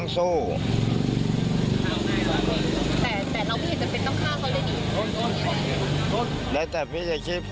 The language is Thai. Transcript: สวัสดีครับ